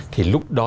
thì lúc đó